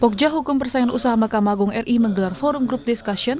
pokja hukum persaingan usaha maka magung ri menggelar forum group discussion